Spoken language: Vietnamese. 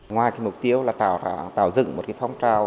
ngoài cái mục tiêu là tạo dựng một cái phong trào